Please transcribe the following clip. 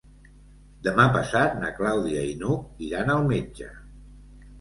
Demà passat na Clàudia i n'Hug iran al metge.